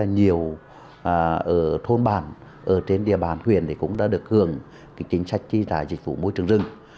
nhiều ở thôn bản ở trên địa bàn huyện cũng đã được hưởng chính sách tri trả dịch vụ môi trường rừng